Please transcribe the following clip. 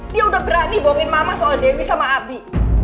dia udah berani bohongin mama soal dewi sama abi